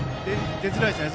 出づらいですね。